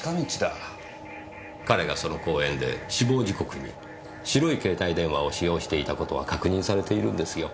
彼がその公園で死亡時刻に白い携帯電話を使用していた事は確認されているんですよ。